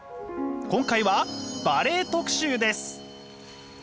今回はバレエ特集です。